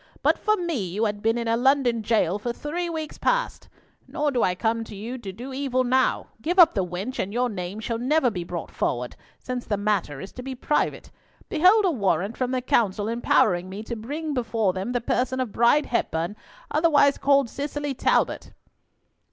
But for me you had been in a London jail for these three weeks past. Nor do I come to do you evil now. Give up the wench, and your name shall never be brought forward, since the matter is to be private. Behold a warrant from the Council empowering me to bring before them the person of Bride Hepburn, otherwise called Cicely Talbot."